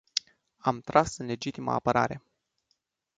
Am tras în legitimă apărare.